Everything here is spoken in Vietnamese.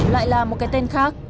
lại là một cái tên khác